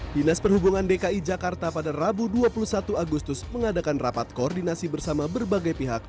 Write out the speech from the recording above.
dinas perhubungan dki jakarta pada rabu dua puluh satu agustus mengadakan rapat koordinasi bersama berbagai pihak